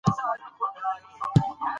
کريم له دې فيصلې څخه راضي نه شو.